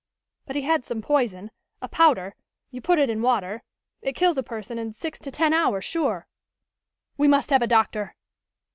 But he had some poison, a powder you put it in water. It kills a person in six to ten hours, sure." "We must have a doctor!"